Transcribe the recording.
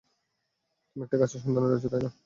তুমি একটা গাছের সন্ধানে রয়েছো, তাই না?